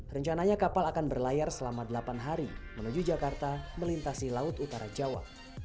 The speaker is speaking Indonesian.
rencananya kapal akan berlayar selama delapan hari menuju jakarta melintasi laut utara jawa